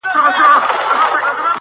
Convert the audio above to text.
مُلا وویله خدای مي نګهبان دی.!